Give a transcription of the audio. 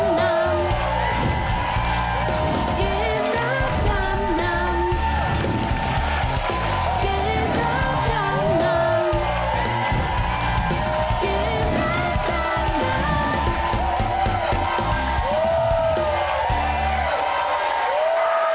สวัสดีครับ